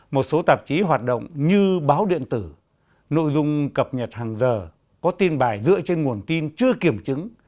một số tạp chí hoạt động như báo điện tử nội dung cập nhật hàng giờ có tin bài dựa trên nguồn tin chưa kiểm chứng